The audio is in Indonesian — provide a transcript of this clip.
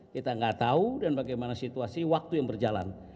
kita gak tau dan bagaimana situasi waktu yang berjalan